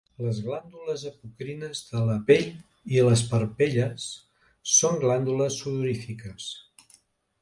Les glàndules apocrines de la pell i les parpelles són glàndules sudorífiques.